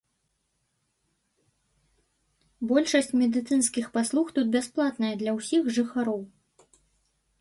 Большасць медыцынскіх паслуг тут бясплатная для ўсіх жыхароў.